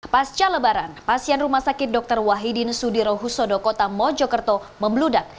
pasca lebaran pasien rumah sakit dr wahidin sudirohusodo kota mojokerto membludak